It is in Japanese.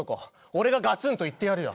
俺がガツンと言ってやるよ。